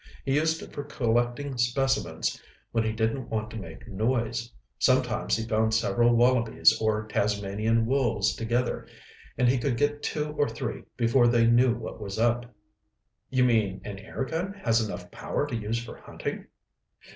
He used it for collecting specimens when he didn't want to make noise. Sometimes he found several wallabies or Tasmanian wolves together and he could get two or three before they knew what was up." "You mean an air gun has enough power to use for hunting?"